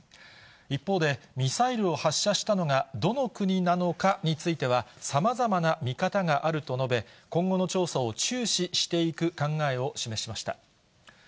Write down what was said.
一方で、ミサイルを発射したのがどの国なのかについては、さまざまな見方があると述べ、今後の調査を注視していく考えを示しました。